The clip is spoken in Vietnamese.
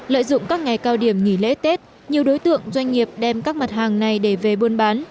lợi dụng các ngày cao điểm nghỉ lễ tết nhiều đối tượng doanh nghiệp đem các mặt hàng này để về buôn bán